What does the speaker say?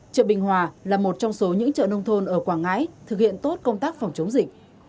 chợ bình hòa là một trong số những chợ nông thôn ở quảng ngãi thực hiện tốt công tác phòng chống dịch